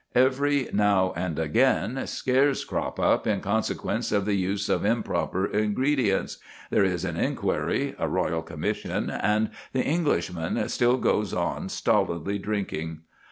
Every now and again scares crop up in consequence of the use of improper ingredients; there is an inquiry, a Royal Commission, and the Englishman still goes on stolidly drinking.